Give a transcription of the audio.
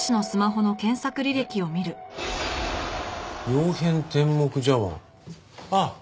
「曜変天目茶碗」あっ！